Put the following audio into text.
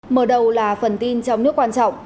mở đầu là phần tin trong nước quan trọng